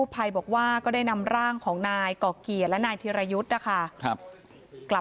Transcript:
แล้วก็ห่างจากจุดเกิดเหตุแค่ประมาณ๕กิโลนะคะ